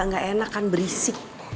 gak enak kan berisik